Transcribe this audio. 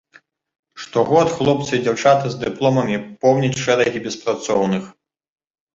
Штогод хлопцы і дзяўчаты з дыпломамі поўняць шэрагі беспрацоўных.